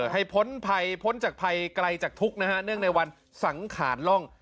ให้พ้นภัยกลายจากทุกข์นะฮะเนื่องในวันสังขาดล่อง